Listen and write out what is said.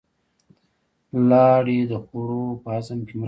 لاړې د خوړو په هضم کې مرسته کوي